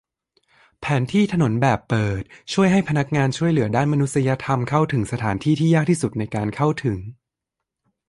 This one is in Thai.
แผนที่ถนนแบบเปิดช่วยให้พนักงานช่วยเหลือด้านมนุษยธรรมเข้าถึงสถานที่ที่ยากที่สุดในการเข้าถึง